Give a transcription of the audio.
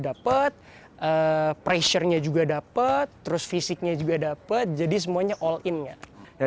dapat pressure nya juga dapat fisiknya juga jadi semuanya all in nya